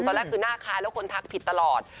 ตอนแรกคือหน้าคล้ายแล้วคนทักผิดตลอด